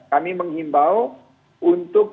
kami menghimbau untuk